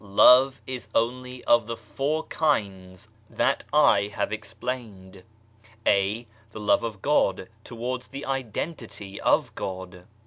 Love is only of the four kinds that I have explained, (a) The love of God towards the identity of God.